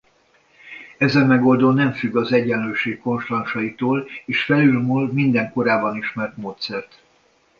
Ezen megoldó nem függ az egyenlőség konstansaitól és felülmúl minden korábban ismert módszert.